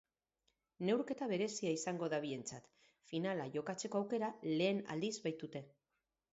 Neurketa berezia izango da bientzat, finala jokatzeko aukera lehen aldiz baitute.